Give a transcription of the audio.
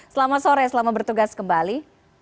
selamat sore selamat bertugas kembali